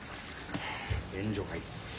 ・便所かい。